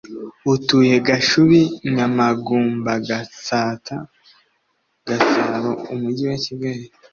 utuye gashubi nyamagumbagatsata gasabo umujyi wa kigali